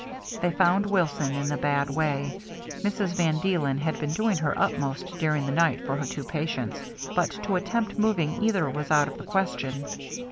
They found Wilson in a bad way. Mrs. van Deelen had been doing her utmost during the night for her two patients, but to attempt moving either was out of the question.